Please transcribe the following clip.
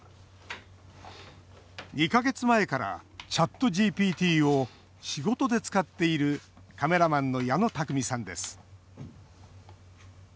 ２か月前からＣｈａｔＧＰＴを仕事で使っているカメラマンの矢野拓実さんです。